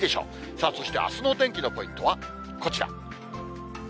さあ、そしてあすのお天気のポイントはこちら。